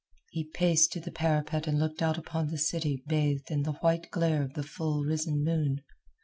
He paced to the parapet and looked out upon the city bathed in the white glare of the full risen moon.